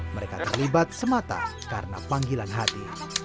mereka terlibat semata karena panggilan hati